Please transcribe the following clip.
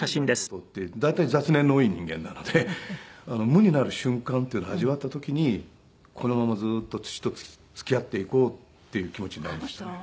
無になる瞬間っていうのを味わった時にこのままずっと土と付き合っていこうっていう気持ちになりましたね。